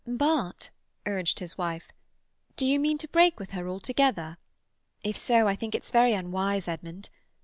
"But," urged his wife, "do you mean to break with her altogether? If so, I think it's very unwise, Edmund.